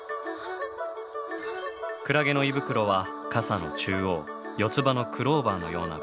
クラゲの胃袋は傘の中央四つ葉のクローバーのような部分。